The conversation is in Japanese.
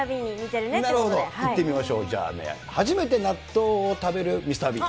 なるほど、いってみましょう、じゃあ、初めて納豆を食べるミスター・ビーン。